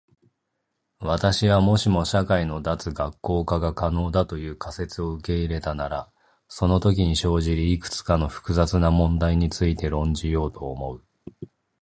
私は、もしも社会の脱学校化が可能だという仮説を受け入れたならそのときに生じるいくつかの複雑な問題について論じようと思う。